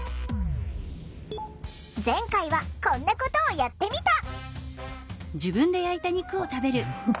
前回はこんなことをやってみた。